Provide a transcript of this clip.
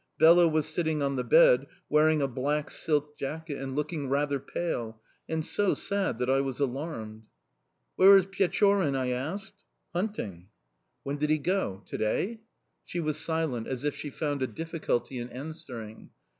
Bela was sitting on the bed, wearing a black silk jacket, and looking rather pale and so sad that I was alarmed. "'Where is Pechorin?' I asked. "'Hunting.' "'When did he go to day?' "'She was silent, as if she found a difficulty in answering.